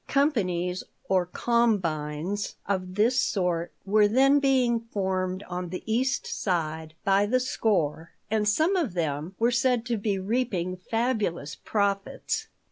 Companies or "combines" of this sort were then being formed on the East Side by the score and some of them were said to be reaping fabulous profits.